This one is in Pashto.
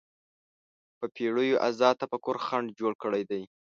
په پېړیو ازاد تفکر خنډ جوړ کړی دی